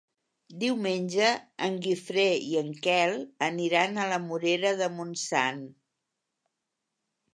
Diumenge en Guifré i en Quel aniran a la Morera de Montsant.